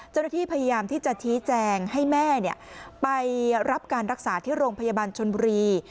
เจ้าหน้าที่พยายามที่จะชี้แจงให้แม่ไปรับการรักษาที่โรงพยาบาลชนบุรี